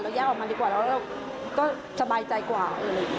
แยกออกมาดีกว่าแล้วเราก็สบายใจกว่า